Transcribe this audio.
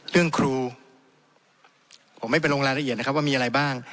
เรื่องครูผมไม่ไปลงรายละเอียดนะครับว่ามีอะไรบ้าง